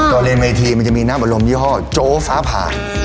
ตอนเรียนเวทีมันจะมีน้ำอารมณ์ยี่ห้อโจ๊ฟ้าผ่าน